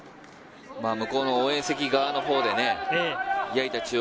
向こうの応援席側のほうで矢板